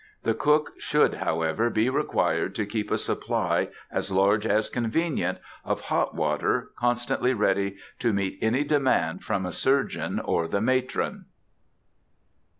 The cook should, however, be required to keep a supply, as large as convenient, of hot water, constantly ready to meet any demand from a surgeon or the matron.